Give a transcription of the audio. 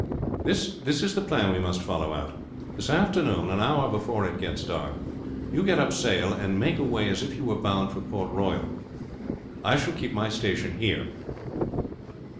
"This is the plan we must follow out. This afternoon an hour before it gets dark you get up sail and make away as if you were bound for Port Royal. I shall keep my station here.